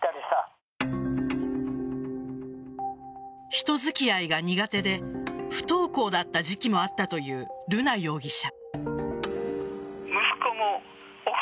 人付き合いが苦手で不登校だった時期もあったという瑠奈容疑者。